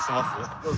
どうぞ。